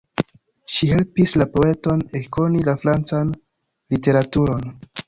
Ŝi helpis la poeton ekkoni la francan literaturon.